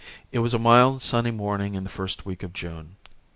It was a mild sunny morning in the first week of June.